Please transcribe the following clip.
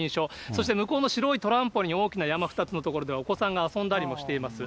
そして向こうの白いトランポリン、大きな山２つの所では、お子さんが遊んだりもしています。